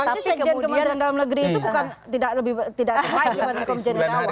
tapi pj gubernur jawa barat itu bukan tidak terbaik dibanding om jani irawan